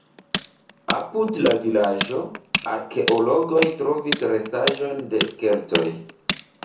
Apud la vilaĝo arkeologoj trovis restaĵojn de keltoj.